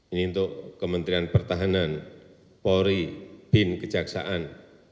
ini untuk kementerian pertahanan polri bin kejaksaan